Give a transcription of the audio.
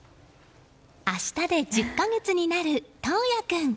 明日で１０か月になる桐矢君。